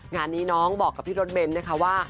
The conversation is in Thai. งานนี้น้องบอกกับพี่รถเบนท์นะคะว่า